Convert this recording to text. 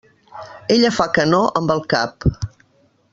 Ella fa que no amb el cap.